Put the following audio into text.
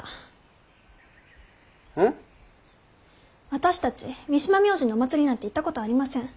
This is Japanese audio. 私たち三島明神のお祭りなんて行ったことありません。